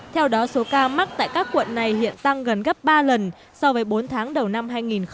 theo đó số ca mắc tại các quận này hiện tăng gần gấp ba lần so với bốn tháng đầu năm hai nghìn một mươi tám